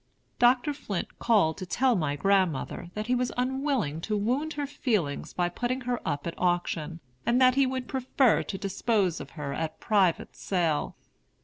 Dr. Flint called to tell my grandmother that he was unwilling to wound her feelings by putting her up at auction, and that he would prefer to dispose of her at private sale.